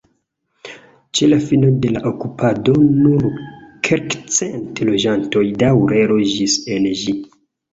Ĉe la fino de la okupado nur kelkcent loĝantoj daŭre loĝis en ĝi.